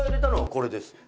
これです。